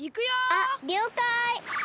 あっりょうかい。